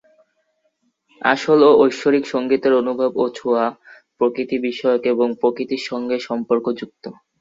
আসল এবং ঐশ্বরিক সংগীতের অনুভব ও ছোঁয়া প্রকৃতি বিষয়ক এবং প্রকৃতির সঙ্গে সম্পর্কযুক্ত।